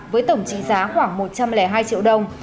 với tổng trị giá khoảng một trăm linh hai triệu đồng